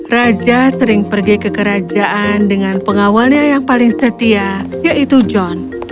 raja sering pergi ke kerajaan dengan pengawalnya yang paling setia yaitu john